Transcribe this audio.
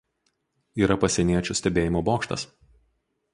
Yra pasieniečių stebėjimo bokštas.